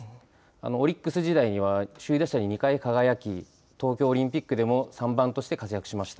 オリックス時代には首位打者に２階輝き、東京オリンピックでも３番として活躍しました。